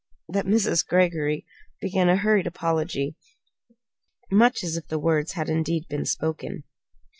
that Mrs. Greggory began a hurried apology, much as if the words had indeed been spoken.